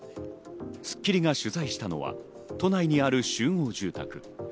『スッキリ』が取材したのは都内にある集合住宅。